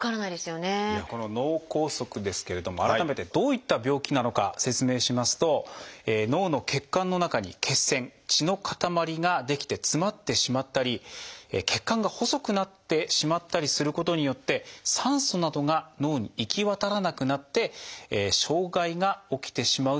この脳梗塞ですけれども改めてどういった病気なのか説明しますと脳の血管の中に血栓血の塊が出来て詰まってしまったり血管が細くなってしまったりすることによって酸素などが脳に行き渡らなくなって障害が起きてしまうという病気です。